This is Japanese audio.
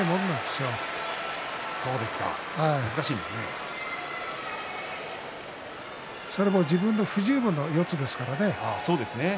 しかも自分の、それも自分の不十分の四つですからね。